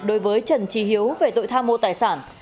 đối với trần trí hiếu về tội tham mô tài sản